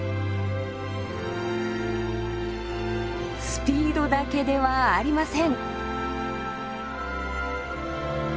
スピードだけではありません。